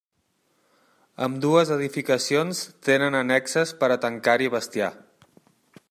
Ambdues edificacions tenen annexes per a tancar-hi bestiar.